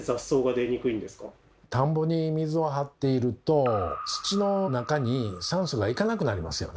田んぼに水を張っていると土の中に酸素が行かなくなりますよね。